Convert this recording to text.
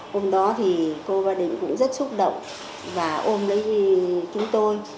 hôm đó thì cô ba định cũng rất xúc động và ôm lấy chúng tôi